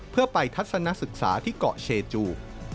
เพื่อไปทัศนศึกษาที่เกาะเชจู